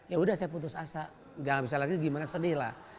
ya udah saya putus asa gak bisa lagi gimana sedih lah